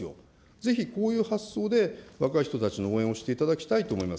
ぜひこういう発想で若い人たちの応援をしていただきたいと思います。